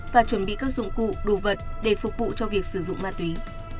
và chuẩn bị các dụng cụ đồ vật để phục vụ cho việc sử dụng ma túy